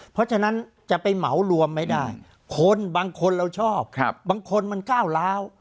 เพราะฉะนั้นจะไปเหมารวมไม่ได้คนบางคนเราชอบบางคนมันก้าวร้าว